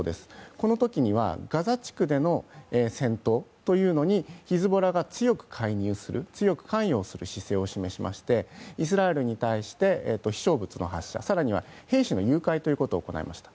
この時にはガザ地区での戦闘にヒズボラが強く関与する姿勢を示しましてイスラエルに対して飛翔物の発射や更には兵士の誘拐ということを行いました。